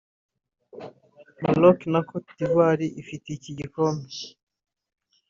Maroc na Côte d’Ivoire ifite iki gikombe